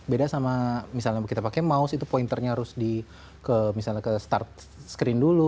beda sama misalnya kita pakai mouse itu pointernya harus di misalnya ke start screen dulu